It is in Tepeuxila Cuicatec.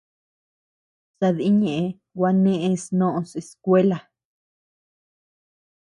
Sadï ñeʼe gua neʼes noʼos skuela.